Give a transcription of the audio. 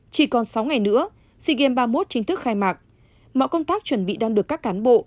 chỉ còn sáu ngày nữa sea games ba mươi một chính thức khai mạc mọi công tác chuẩn bị đang được các cán bộ